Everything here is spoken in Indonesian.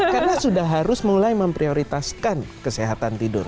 karena sudah harus mulai memprioritaskan kesehatan tidur